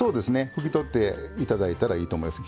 拭き取っていただいたらいいと思います。